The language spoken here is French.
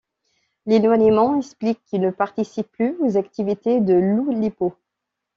L'éloignement explique qu'il ne participe plus aux activités de l’Oulipo.